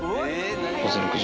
午前６時。